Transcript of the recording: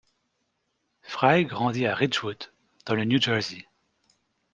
Fry grandit à Ridgewood, dans le New Jersey.